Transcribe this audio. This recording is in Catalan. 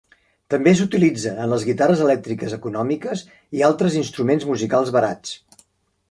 També s'utilitza en les guitarres elèctriques econòmiques i altres instruments musicals barats.